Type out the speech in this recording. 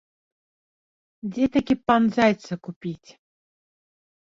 Дзе такі пан зайца купіць?!